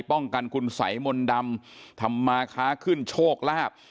ป้องกันคุณสัยมนต์ดำทำมาค้าขึ้นโชคลาภ